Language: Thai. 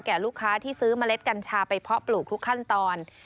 ลูกค้าที่ซื้อเมล็ดกัญชาไปเพาะปลูกทุกขั้นตอน